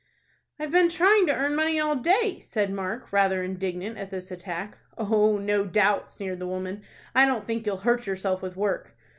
"I've been trying to earn money all day," said Mark, rather indignant at this attack. "Oh no doubt," sneered the woman. "I don't think you'll hurt yourself with work."